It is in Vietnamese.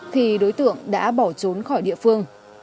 thì đối tượng đã bỏ trốn khỏi địa phương